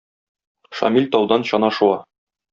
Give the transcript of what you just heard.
Шамил таудан чана шуа.